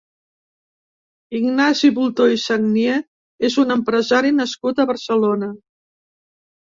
Ignasi Bultó i Sagnier és un empresari nascut a Barcelona.